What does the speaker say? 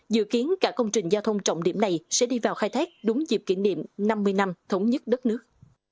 dự kiến cả công trình giao thông trọng điểm này sẽ đi vào khai thác đúng dịp kỷ niệm năm mươi năm thống nhất đất nước